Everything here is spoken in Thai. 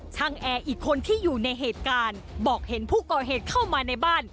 แอร์อีกคนที่อยู่ในเหตุการณ์บอกเห็นผู้ก่อเหตุเข้ามาในบ้าน